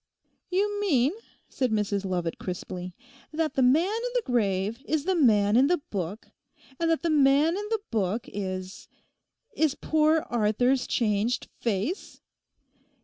'You mean,' said Mrs Lovat crisply, 'that the man in the grave is the man in the book, and that the man in the book is—is poor Arthur's changed face?